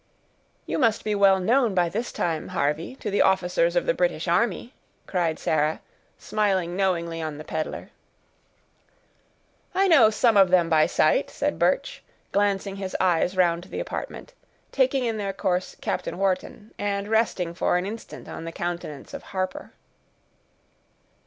"You must be well known by this time, Harvey, to the officers of the British army," cried Sarah, smiling knowingly on the peddler. "I know some of them by sight," said Birch, glancing his eyes round the apartment, taking in their course Captain Wharton, and resting for an instant on the countenance of Harper.